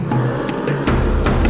kita kabur aja yuk